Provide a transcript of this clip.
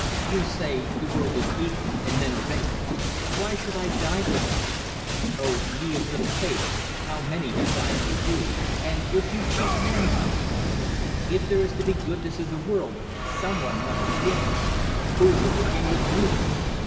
"You say: The world is evil, and men are base; why should I die for them? Oh, ye of little faith, how many have died for you, and would you cheat mankind? If there is to be goodness in the world, some one must begin; who will begin with me?